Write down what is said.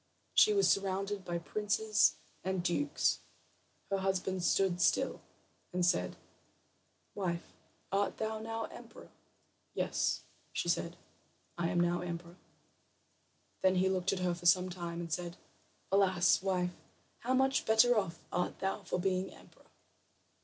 She was surrounded by princes and dukes. Her husband stood still, and said: "Wife, art thou now emperor?" "Yes," said she; "now I am emperor." Then he looked at her for some time, and said: "Alas, wife, how much better off art thou for being emperor?"